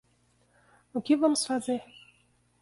O que vamos fazer?